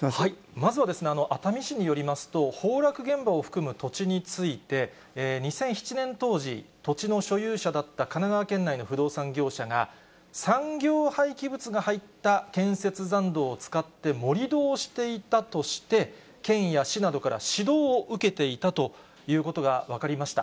まずは熱海市によりますと、崩落現場を含む土地について、２００７年当時、土地の所有者だった神奈川県内の不動産業者が、産業廃棄物が入った建設残土を使って盛り土をしていたとして、県や市などから指導を受けていたということが分かりました。